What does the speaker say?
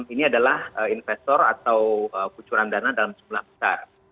ini adalah investor atau kucuran dana dalam jumlah besar